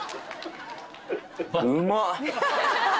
うまっ！